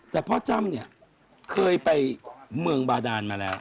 แต่พ่อจ้ำเนี่ยเคยไปเมืองบาดานมาแล้ว